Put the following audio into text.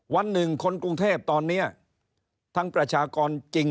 วันหนึ่งคนกรุงเทพตอนนี้ทั้งประชากรจริง